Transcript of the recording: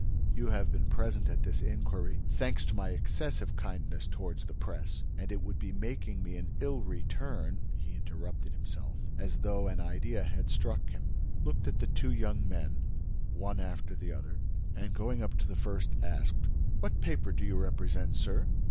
You have been present at this inquiry, thanks to my excessive kindness toward the Press, and it would be making me an ill return—" He interrupted himself, as though an idea had struck him, looked at the two young men, one after the other, and, going up to the first, asked: "What paper do you represent, sir?"